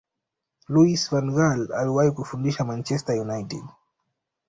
louis van gaal aliwahi kufundisha manchester united